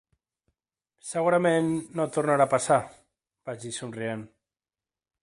"Segurament no tornarà a passar" vaig dir, somrient.